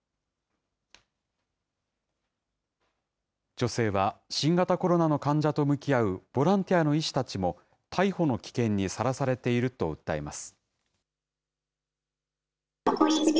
女性は、新型コロナの患者と向き合うボランティアの医師たちも、逮捕の危険にさらされていると訴えます。